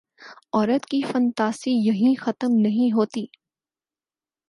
عورت کی فنتاسی یہیں ختم نہیں ہوتی۔